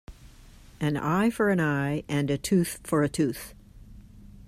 An eye for an eye and a tooth for a tooth.